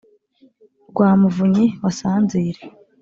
rwa muvunyi wa sanzire